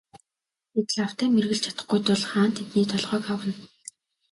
Тэд лавтай мэргэлж чадахгүй тул хаан тэдний толгойг авна.